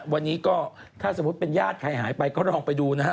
วันนี้ก็ถ้าสมมุติเป็นญาติใครหายไปก็ลองไปดูนะฮะ